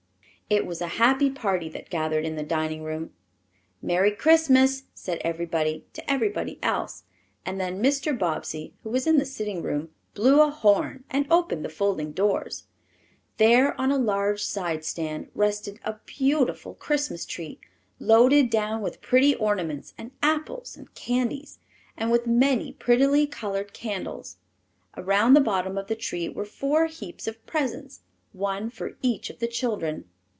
It was a happy party that gathered in the dining room. "Merry Christmas!" said everybody to everybody else, and then Mr. Bobbsey, who was in the sitting room, blew a horn and opened the folding doors. There, on a large side stand, rested a beautiful Christmas tree, loaded down with pretty ornaments and apples and candies, and with many prettily colored candles. Around the bottom of the tree were four heaps of presents, one for each of the children.